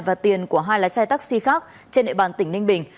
và tiền của hai lái xe taxi khác trên địa bàn tỉnh ninh bình